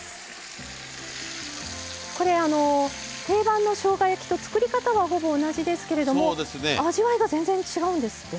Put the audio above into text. これ定番のしょうが焼きと作り方はほぼ同じですけれども味わいが全然違うんですってね。